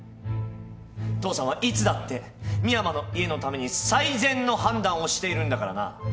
父さんはいつだって深山の家のために最善の判断をしているんだからな。